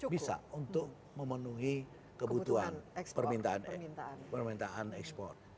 bisa untuk memenuhi kebutuhan permintaan ekspor